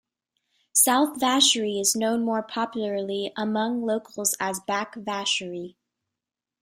South Vacherie is known more popularly among locals as Back Vacherie.